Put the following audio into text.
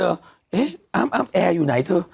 เอ๊ะอ้ำแอร์อยู่ไหนเธอ